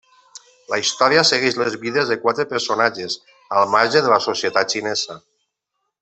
La història segueix les vides de quatre personatges al marge de la societat xinesa.